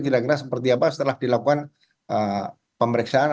kira kira seperti apa setelah dilakukan pemeriksaan